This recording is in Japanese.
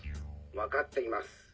分かっています。